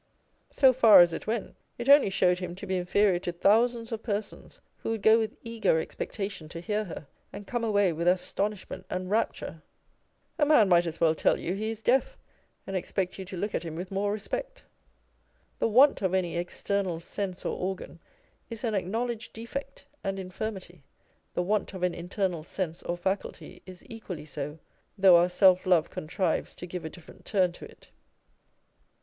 So far as it went, it only showed him to be inferior to thousands of persons who go with eager expectation to hear her, and come away with astonish ment and rapture. A man might as well tell you he is deaf, and expect you to look at him with more respect. The want of any external sense or organ is an acknow ledged defect and infirmity : the want of an internal sense or faculty is equally so, though our self love contrives to give a different turn to it.